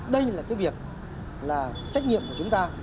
đây là cái việc là trách nhiệm của chúng ta